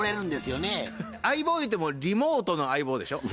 相棒ゆうてもリモートの相棒でしょ？